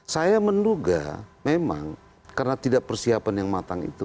saya menduga memang karena tidak persiapan yang matang itu